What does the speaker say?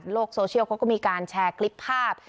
โลกโซเชียลก็มีการแชร์คลิปภาพ